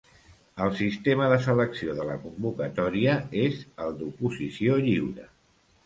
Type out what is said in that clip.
El sistema de selecció de la convocatòria és el d'oposició lliure.